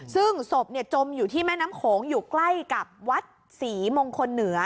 ซึ่งศพจมอยู่ที่แม่น้ำโขงอยู่ใกล้กับวัดศรีมงคลเหนือ